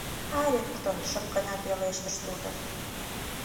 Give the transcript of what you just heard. Харрингтон! — шып гына пелештыш тудо.